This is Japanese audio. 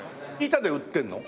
板で売ってるの？